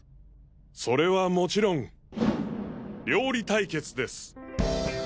それはもちろん料理対決です！